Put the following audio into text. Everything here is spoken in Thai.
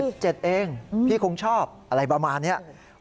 ๑๗ปีปีคงชอบอะไรประมาณนี้